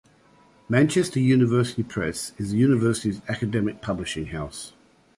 Manchester University Press is the university's academic publishing house.